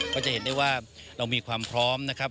ก็จะเห็นได้ว่าเรามีความพร้อมนะครับ